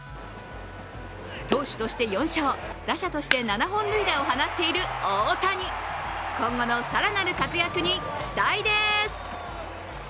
投手として４勝、打者として７本塁打を放っている大谷今後の更なる活躍に期待です。